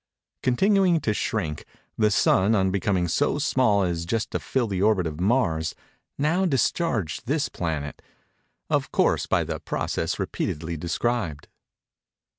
Continuing to shrink, the Sun, on becoming so small as just to fill the orbit of Mars, now discharged this planet—of course by the process repeatedly described.